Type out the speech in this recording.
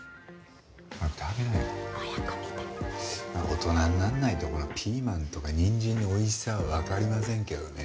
大人になんないとピーマンとかにんじんのおいしさはわかりませんけどね。